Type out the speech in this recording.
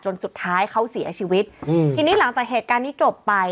สุดท้ายเขาเสียชีวิตอืมทีนี้หลังจากเหตุการณ์นี้จบไป